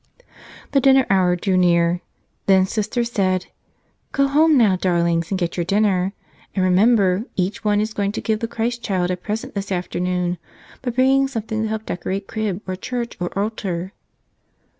The dinner hour drew near. Then Sister said, "Go home now, darlings, and get your dinner. And re¬ member, each one is going to give the Christ Child a present this afternoon, by bringing something to help decorate crib or church or altar."